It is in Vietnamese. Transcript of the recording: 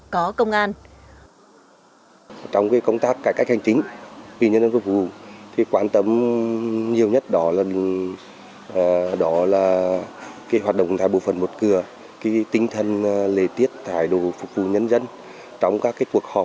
công an phường đã chủ động khảo sát các tiêu chí những nội dung đề ra trong xây dựng công an phường điển hình kiểu mẫu và văn minh đô thị